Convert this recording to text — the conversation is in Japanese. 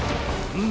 うん？